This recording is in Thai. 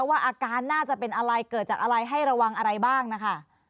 ว่าอาการน่าจะเป็นอะไรเกิดจากอะไรให้ระวังอะไรบ้างนะคะ